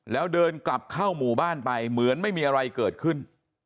แล้วเดินกลับเข้าหมู่บ้านไปเหมือนไม่มีอะไรเกิดขึ้น